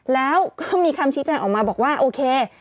แล้วก็มีคำชี้แจงออกมาบอกว่าโอเค